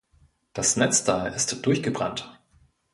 Das Netzteil ist durchgebrannt.